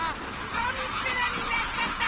かみっぺらになっちゃった！